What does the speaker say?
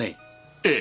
ええ。